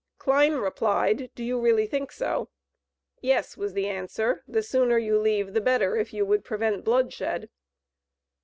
Kline replied, "Do you really think so?" "Yes," was the answer, "the sooner you leave, the better, if you would prevent bloodshed."